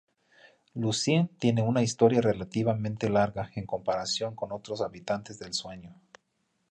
Lucien tiene una historia relativamente larga, en comparación con otros habitantes del sueño.